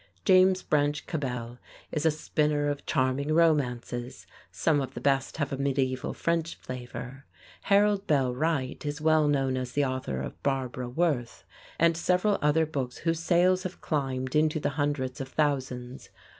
James Branch Cabell is a spinner of charming romances; some of the best have a medieval French flavor. Harold Bell Wright is well known as the author of "Barbara Worth" and several other books whose sales have climbed into the hundreds of thousands.